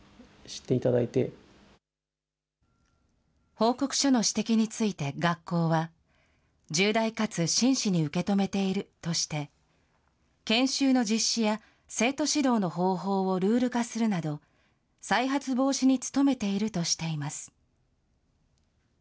報告書の指摘について学校は、重大かつ真摯に受け止めているとして、研修の実施や、生徒指導の方法をルール化するなど、再発防止に努めているとしています。